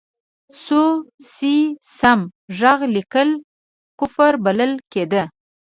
سو، سي، سم، ږغ لیکل کفر بلل کېده.